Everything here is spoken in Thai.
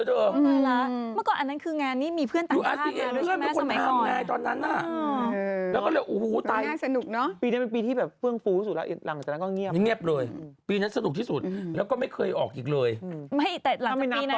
ถ้าไม่นับตอนที่คุณแม่นั่งหลังรถกระบาดกับพี่พลอันนทร์รอบโชคชัย๔อ่ะ